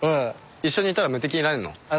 一緒にいたら無敵になれるの？